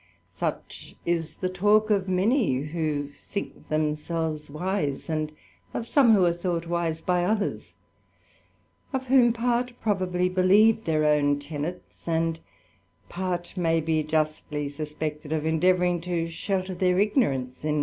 I Such is the talk of many who think themselves wise^ and i of some who are thought wise by others; of whom part probably believe their own tenets, and part may be justly | suspected of endeavouring to shelter their ignorance in